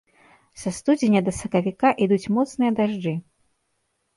Са студзеня да сакавіка ідуць моцныя дажджы.